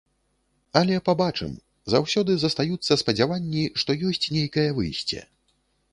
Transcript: Але пабачым, заўсёды застаюцца спадзяванні, што ёсць нейкае выйсце.